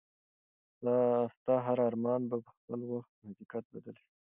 ستا هر ارمان به په خپل وخت په حقیقت بدل شي.